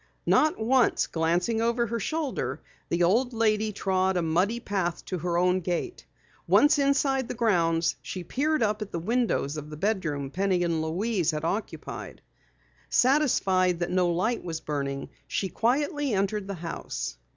Not once glancing over her shoulder, the old lady trod a muddy path to her own gate. Once inside the grounds, she peered up at the windows of the bedroom Penny and Louise had occupied. Satisfied that no light was burning, she quietly entered the house.